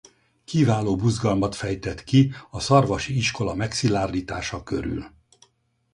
Kiváló buzgalmat fejtett ki a szarvasi iskola megszilárdítása körül.